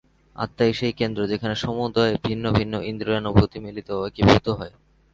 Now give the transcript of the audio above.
আত্মাই সেই কেন্দ্র, যেখানে সমুদয় ভিন্ন ভিন্ন ইন্দ্রিয়ানুভূতি মিলিত ও একীভূত হয়।